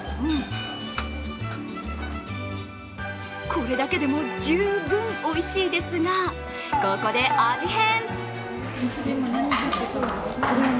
これだけでも十分おいしいですが、ここで味変！